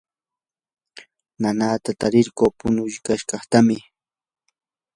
nanata tarirquu punukashqatam